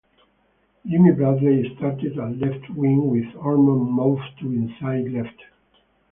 Jimmy Bradley started at left wing with Ormond moved to inside left.